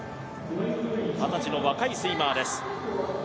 二十歳の若いスイマーです。